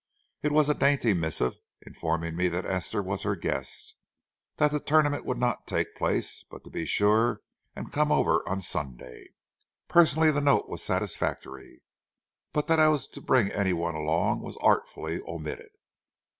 It was a dainty missive, informing me that Esther was her guest; that the tournament would not take place, but to be sure and come over on Sunday. Personally the note was satisfactory, but that I was to bring any one along was artfully omitted.